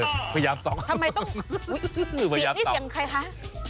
เสียงนี้เสียงใครคะ